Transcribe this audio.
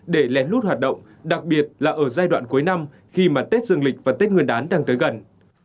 để lén lút hoạt động đặc biệt là ở giai đoạn cuối năm khi mà tết dương lịch và tết nguyên đán đang tới gần